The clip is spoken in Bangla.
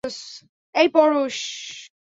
এই, পোরুস!